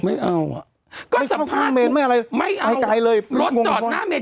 ไม่เอาอ่ะก็สัมภาษณ์เมนไม่อะไรไม่อายไกลเลยรถจอดหน้าเมน